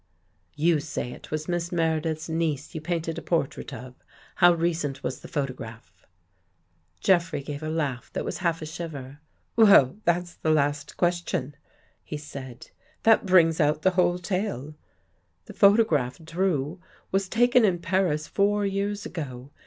" You say it was Miss Meredith's niece you painted a portrait of? How recent was the photo graph?" Jeffrey gave a laugh that was half a shiver. " Well, that's the last question," he said. " That brings out the whole tale. The photograph. Drew, was taken in Paris four years ago.